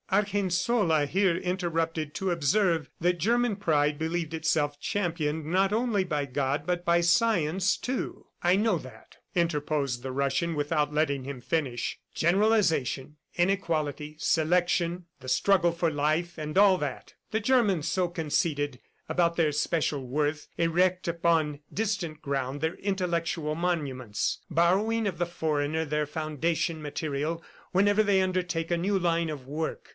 Argensola here interrupted to observe that German pride believed itself championed not only by God but by science, too. "I know that," interposed the Russian without letting him finish "generalization, inequality, selection, the struggle for life, and all that. ... The Germans, so conceited about their special worth, erect upon distant ground their intellectual monuments, borrowing of the foreigner their foundation material whenever they undertake a new line of work.